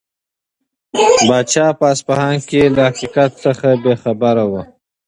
پاچا په اصفهان کې له حقیقت څخه بې خبره و.